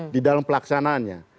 di dalam pelaksanaannya